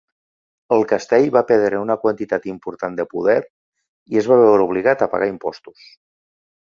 El castell va perdre una quantitat important de poder i es va veure obligat a pagar impostos.